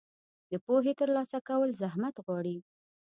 د پوهې ترلاسه کول زحمت غواړي.